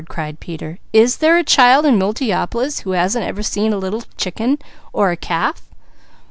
cried Peter. "Is there a child in Multiopolis who hasn't ever seen a little chicken, or a calf?"